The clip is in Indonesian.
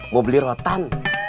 mau beli rotan